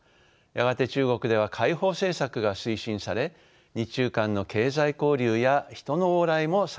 やがて中国では開放政策が推進され日中間の経済交流や人の往来も盛んになりました。